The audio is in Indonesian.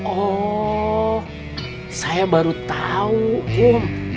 oh saya baru tahu